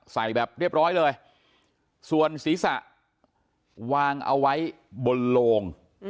ใส่แบบเรียบร้อยเลยส่วนศีรษะวางเอาไว้บนโลง